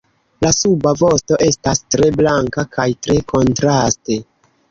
La suba vosto estas tre blanka kaj tre kontraste.